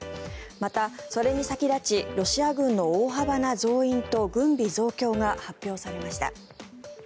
また、それに先立ちロシア軍の大幅な増員と軍備増強が発表されました。